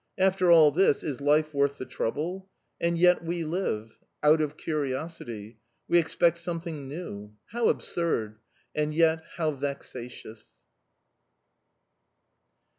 After all this, is life worth the trouble? And yet we live out of curiosity! We expect something new... How absurd, and yet how vexatious!